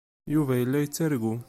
Yuba yella yettargu.